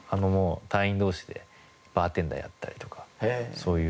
隊員同士でバーテンダーやったりとかそういう。